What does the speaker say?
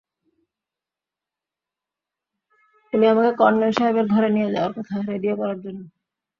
উনি আমাকে কর্নেল সাহেবের ঘরে নিয়ে যাওয়া কথা রেডিও করার জন্য।